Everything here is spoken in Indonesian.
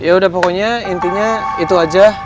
ya udah pokoknya intinya itu aja